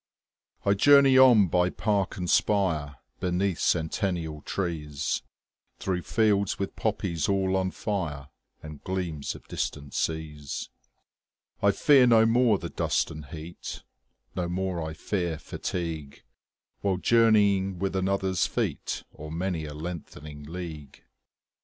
20 I journey on by park and spire, Beneath centennial trees, Through fields with poppies all on fire, And gleams of distant seas. I fear no more the dust and heat, 25 No more I fear fatigue, While journeying with another's feet O'er many a lengthening league.